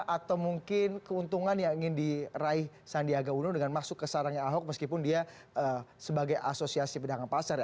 atau mungkin keuntungan yang ingin diraih sandiaga uno dengan masuk ke sarangnya ahok meskipun dia sebagai asosiasi pedagang pasar ya